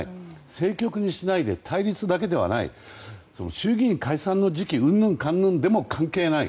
政局にしないで対立だけではない衆議院解散の時期うんぬんかんぬんでも関係ない。